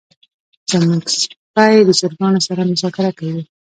زمونږ سپی د چرګانو سره مذاکره کوي.